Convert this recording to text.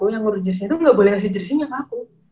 yang ngurus jersnya itu gak boleh ngasih jersinya ke aku